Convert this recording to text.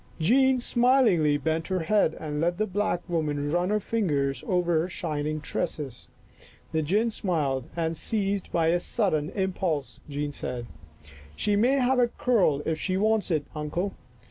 Jean smilingly bent her head and let the black woman run her fingers over her shining tresses. The gin smiled and, seized by a sudden impulse, Jean said, " She may have a curl if she wants it, Uncle.